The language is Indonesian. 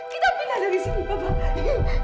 kita pernah dari sini bapak